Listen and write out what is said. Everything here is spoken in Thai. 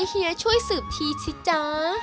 เฮียช่วยสืบทีสิจ๊ะ